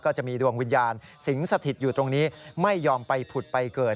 จะมีดวงวิญญาณสิงสถิตอยู่ตรงนี้ไม่ยอมไปผุดไปเกิด